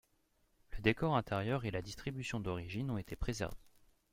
Le décor intérieur et la distribution d’origine ont été préservés.